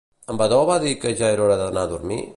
En Vadó va dir que ja era hora d'anar a dormir?